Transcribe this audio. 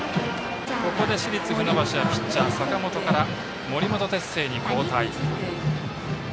ここで市立船橋はピッチャー、坂本から森本哲星に交代。